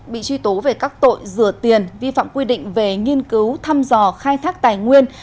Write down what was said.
bị cáo truy tối về các tội dừa tiền vi phạm quy định về nghiên cứu thăm dò khai thác tài nguyên